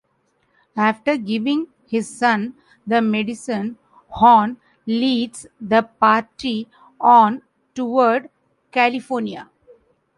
After giving his son the medicine, Horn leads the party on toward California.